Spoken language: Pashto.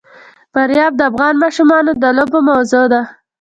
فاریاب د افغان ماشومانو د لوبو موضوع ده.